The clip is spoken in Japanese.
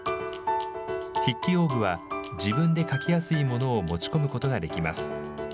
筆記用具は自分で書きやすいものを持ち込むことができます。